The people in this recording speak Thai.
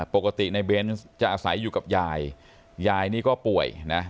ปกติในเบนส์จะอาศัยอยู่กับยายยายนี่ก็ป่วยนะ